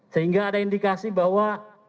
sehingga ada indikasi bahwa